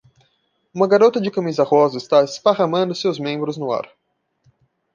Uma garota de camisa rosa está esparramando seus membros no ar.